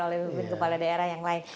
oleh pemimpin kepala daerah yang lain